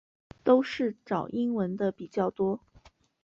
都是找英文的比较多